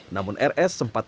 namun rs sempat memperbaikinya